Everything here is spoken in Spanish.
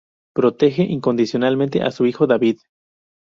Protege incondicionalmente a su hijo David.